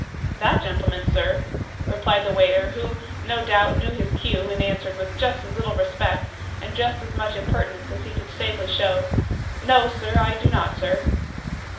'That gentleman, sir?' replied the waiter, who, no doubt, knew his cue, and answered with just as little respect, and just as much impertinence as he could safely show: 'no, sir, I do not, sir.